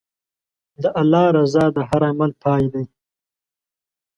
د الله رضا د هر عمل پای دی.